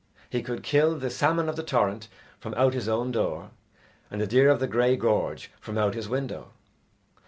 He could kill the salmon of the torrent from out his own door, and the deer of the grey gorge from out his window.